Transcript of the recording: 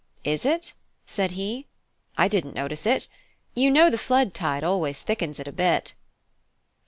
"Is it?" said he; "I didn't notice it. You know the flood tide always thickens it a bit."